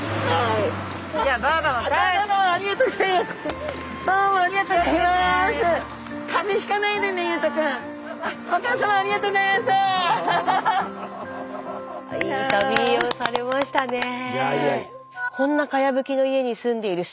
はい。